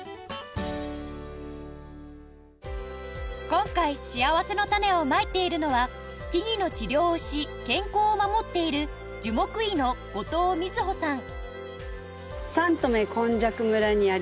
今回しあわせのたねをまいているのは木々の治療をし健康を守っている樹木医の後藤瑞穂さん